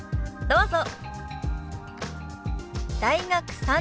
どうぞ。